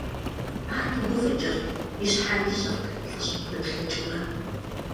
Ар пыгуфӀыкӀырт, и щхьэр ищӀырт, лӀыжьым хуеплъыхыурэ.